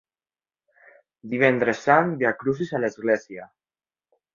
Divendres Sant Viacrucis a l'església.